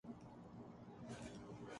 ملک میں اسمبلیاں ہوں یا نہ ہوں۔